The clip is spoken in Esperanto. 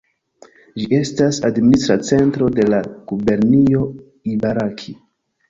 Ĝi estas administra centro de la gubernio Ibaraki.